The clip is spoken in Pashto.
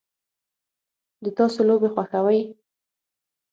د تاسو لوبې خوښوئ؟